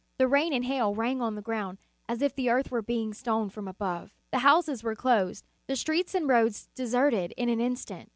The rain and hail rang on the ground as if the earth were being stoned from above. The houses were closed, the streets and roads deserted in an instant.